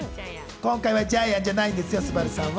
今回はジャイアンじゃないですよ、昴さんは。